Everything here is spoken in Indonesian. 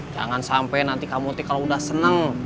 jangan sampai nanti kamu teh kalau udah senang